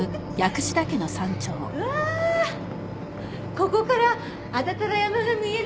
ここから安達太良山が見えるのね。